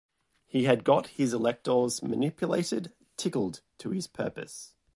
He had got his electors manipulated, tickled to his purpose.